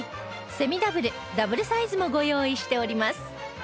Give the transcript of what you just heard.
セミダブルダブルサイズもご用意しております